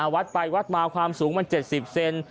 วัดไปวัดมาความสูงมัน๗๐เซน